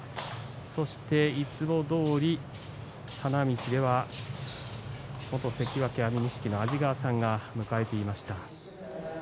そしていつもどおり花道では元関脇安美錦の安治川さんが迎えていました。